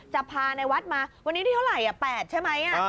จะพาในวัดมาวันนี้ที่เท่าไหร่๘ใช่ไหม